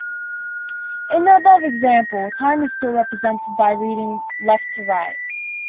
In the above example, time is still represented by reading left-to-right.